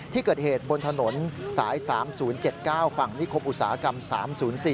ที่เกิดเหตุบนถนนสาย๓๐๗๙ฝั่งนิคมอุตสาหกรรม๓๐๔